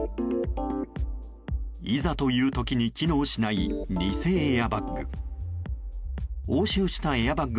いざという時に機能しない偽エアバッグ。